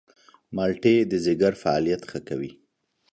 مالټې د ځيګر فعالیت ښه کوي.